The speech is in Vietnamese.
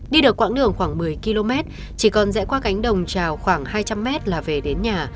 đi được quãng đường khoảng một mươi km chỉ còn rẽ qua cánh đồng trào khoảng hai trăm linh mét là về đến nhà